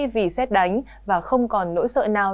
vì xét đánh và không còn nỗi sợ nào